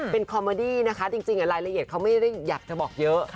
เป็นคอมเมอดี้นะคะจริงรายละเอียดเขาไม่ได้อยากจะบอกเยอะ